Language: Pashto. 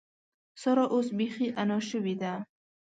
سارا اوس بېخي انا شوې ده.